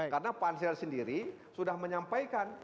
karena pansel sendiri sudah menyampaikan